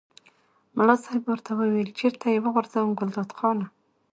ملا صاحب ورته وویل چېرته یې وغورځوم ګلداد خانه.